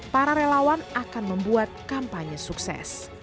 para relawan akan membuat kampanye sukses